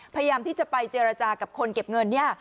พยายามที่จะไปเจรจากับคนเก็บเงินเนี่ย